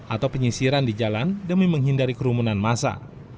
atau penyisiran di jalan demi menghindari kerumunan masa